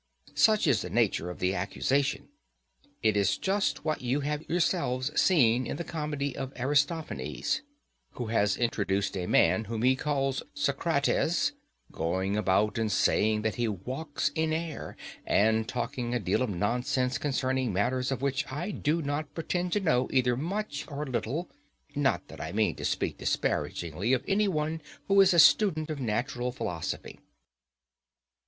Such is the nature of the accusation: it is just what you have yourselves seen in the comedy of Aristophanes (Aristoph., Clouds.), who has introduced a man whom he calls Socrates, going about and saying that he walks in air, and talking a deal of nonsense concerning matters of which I do not pretend to know either much or little—not that I mean to speak disparagingly of any one who is a student of natural philosophy.